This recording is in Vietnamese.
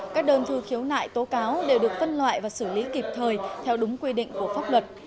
các đơn thư khiếu nại tố cáo đều được phân loại và xử lý kịp thời theo đúng quy định của pháp luật